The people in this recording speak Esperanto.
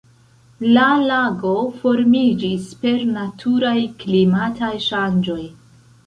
La lago formiĝis per naturaj klimataj ŝanĝoj.